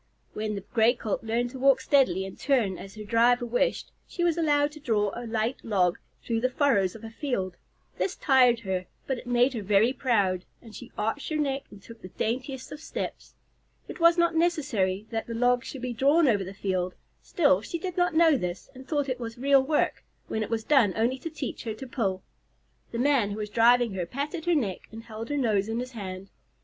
When the Gray Colt learned to walk steadily and turn as her driver wished, she was allowed to draw a light log through the furrows of a field. This tired her, but it made her very proud, and she arched her neck and took the daintiest of steps. It was not necessary that the log should be drawn over the field; still, she did not know this, and thought it was real work, when it was done only to teach her to pull. The man who was driving her patted her neck and held her nose in his hand.